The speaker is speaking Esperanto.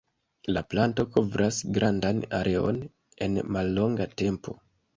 La planto kovras grandan areon en mallonga tempo.